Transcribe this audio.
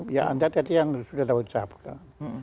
ya anda tadi yang sudah saya ucapkan